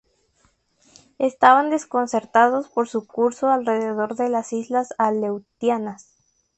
Estaban desconcertados por su curso alrededor de las islas Aleutianas.